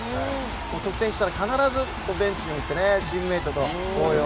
得点したら、必ずベンチに行ってチームメートと抱擁。